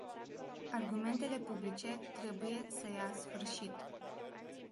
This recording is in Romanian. Argumentele publice trebuie să ia sfârșit.